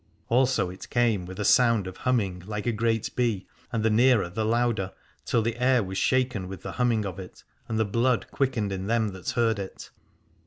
Also it came with a sound of humming, like a great bee, and the nearer the louder, till the air was shaken with the humming of it, and the blood quickened in them that heard it.